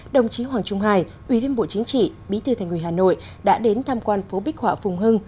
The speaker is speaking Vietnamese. đồng chí hoàng trung hải ubnd bí thư thành người hà nội đã đến tham quan phố bích họa phùng hưng